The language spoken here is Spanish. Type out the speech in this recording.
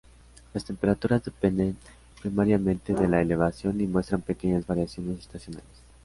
Las temperaturas dependen primariamente de la elevación y muestran pequeñas variaciones estacionales.